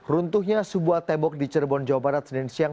runtuhnya sebuah tembok di cirebon jawa barat senin siang